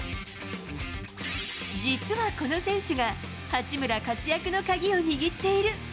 実はこの選手が、八村活躍の鍵を握っている。